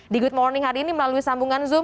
di good morning hari ini melalui sambungan zoom